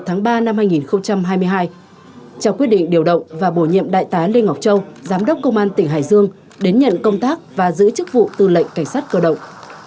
trong quyết định điều động và bổ nhiệm đại tá lê ngọc châu giám đốc công an tỉnh hải dương đến nhận công tác và giữ chức vụ tư lệnh cảnh sát cơ động